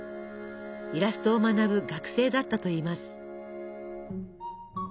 イラストを学ぶ学生だったといいます。